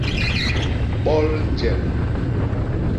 Bol njel.